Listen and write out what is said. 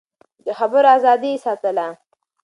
د خبرو ازادي يې ساتله.